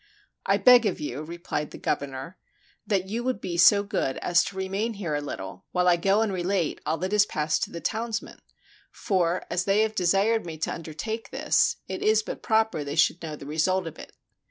"I beg of you," replied the governor, "that you would be so good as to remain here a little, while I go and relate all that has passed to the townsmen ; for, as they have desired me to undertake this, it is but proper they should know the result of it."